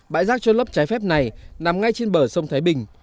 bãi rác trôn lấp trái phép này nằm ngay trên bờ sông thái bình